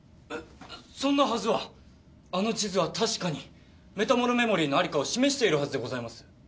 そんなはずはあの地図は確かにメタモルメモリーのありかを示しているはずでございます。